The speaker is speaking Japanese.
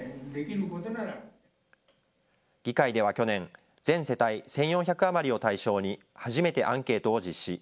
議会では去年、全世帯１４００余りを対象に、初めてアンケートを実施。